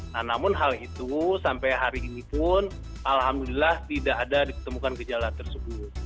nah namun hal itu sampai hari ini pun alhamdulillah tidak ada ditemukan gejala tersebut